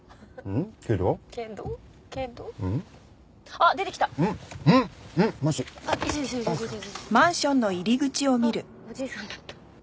あっおじいさんだった。